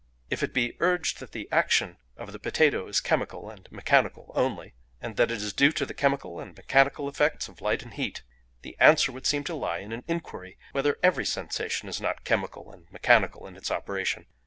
If it be urged that the action of the potato is chemical and mechanical only, and that it is due to the chemical and mechanical effects of light and heat, the answer would seem to lie in an inquiry whether every sensation is not chemical and mechanical in its operation?